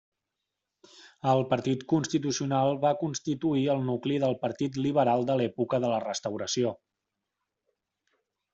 El Partit Constitucional va constituir el nucli del Partit Liberal de l'època de la Restauració.